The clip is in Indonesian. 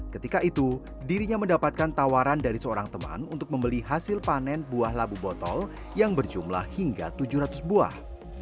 ketika itu dirinya mendapatkan tawaran dari seorang teman untuk membeli hasil panen buah labu botol yang berjumlah hingga tujuh ratus buah